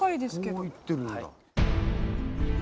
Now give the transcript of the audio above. こういってるんだ。